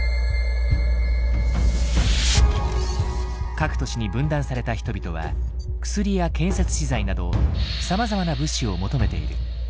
各都市に分断された人々は薬や建設資材などさまざまな物資を求めている。